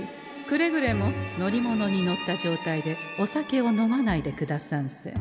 くれぐれも乗り物に乗った状態でお酒を飲まないでくださんせ。